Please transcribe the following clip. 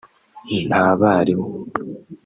nta barimu